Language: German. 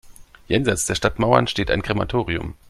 Jenseits der Stadtmauern steht ein Krematorium.